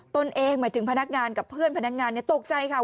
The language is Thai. ตนเองหมายถึงพนักงานกับเพื่อนพนักงานตกใจค่ะ